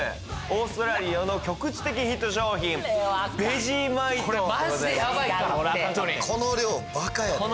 オーストラリアの局地的ヒット商品ベジマイトでございます